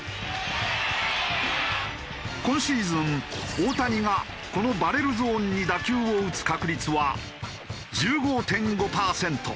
今シーズン大谷がこのバレルゾーンに打球を打つ確率は１５．５パーセント。